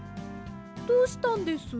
どうしたんです？